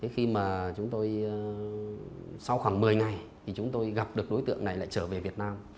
khi mà chúng tôi sau khoảng một mươi ngày thì chúng tôi gặp được đối tượng này lại trở về việt nam